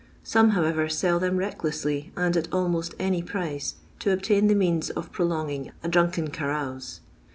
Some, however, sell them recklessly ; and at almost any price, to obtain the means uf \ prolonging a drunken carouse.